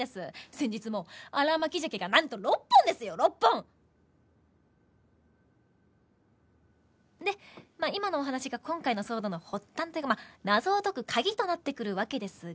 先日も新巻鮭がなんと６本ですよ６本！でまあ今のお話が今回の騒動の発端というか謎を解く鍵となってくるわけですが。